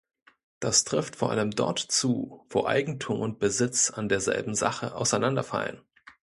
Das trifft vor allem dort zu, wo Eigentum und Besitz an derselben Sache auseinanderfallen.